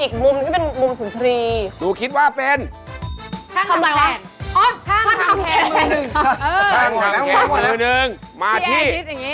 อีกมุมนี่เป็นมุมสุนทรี